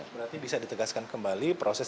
berarti bisa ditegaskan kembali proses registrasi itu